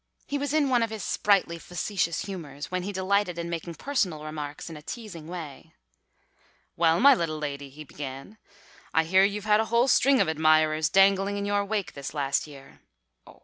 He was in one of his sprightly facetious humours, when he delighted in making personal remarks in a teasing way. "Well, my little lady," he began. "I hear you've had a whole string of admirers dangling in your wake this last year.